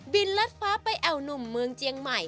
ลัดฟ้าไปแอวหนุ่มเมืองเจียงใหม่